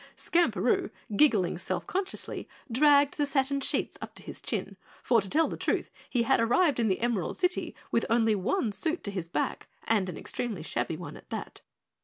Skamperoo, giggling self consciously, dragged the satin sheets up to his chin, for to tell the truth, he had arrived in the Emerald City with only one suit to his back, and an extremely shabby one at that.